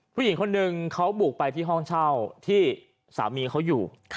ผู้หญิงคนหนึ่งเขาบุกไปที่ห้องเช่าที่สามีเขาอยู่